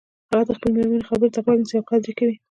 هغه د خپلې مېرمنې خبرو ته غوږ نیسي او قدر یی کوي